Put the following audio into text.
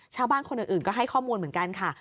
ชาวบ้านคนอื่นก็ให้ข้อมูลเหมือนกันค่ะ